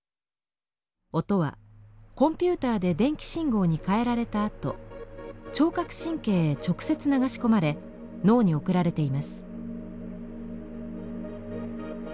音はコンピューターで電気信号に変えられたあと聴覚神経へ直接流し込まれ脳に送られています。